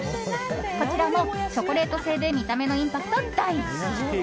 こちらもチョコレート製で見た目のインパクト大。